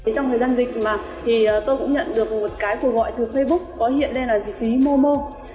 trong thời gian dịch mà tôi cũng nhận được một cái cuộc gọi từ facebook có hiện lên là dịch ví momo